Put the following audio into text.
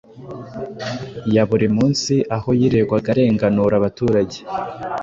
ya buri munsi aho yirirwaga arenganura abaturage